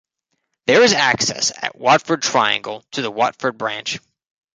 There is access at Watford triangle to the Watford branch.